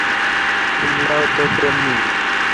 সিমলাও তো তেমনি।